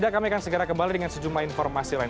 kami akan segera kembali dengan sejumlah informasi lain